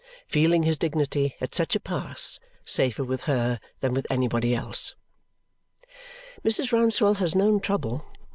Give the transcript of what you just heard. feeling his dignity, at such a pass, safer with her than with anybody else. Mrs. Rouncewell has known trouble.